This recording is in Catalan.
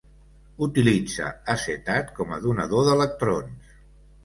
Utilitza acetat com a donador d'electrons.